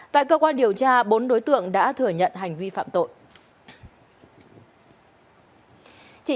tại cơ quan điều tra bốn đối tượng đã thừa nhận hành vi phạm tội